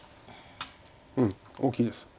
うん大きいです。